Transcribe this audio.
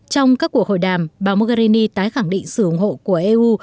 trong các cuộc hội đàm bà mogherini tái khẳng định sự ủng hộ của eu